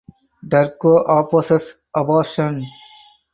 Turco opposes abortion.